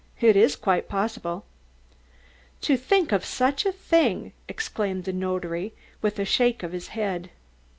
It is quite possible." "To think of such a thing!" exclaimed the notary with a shake of his head.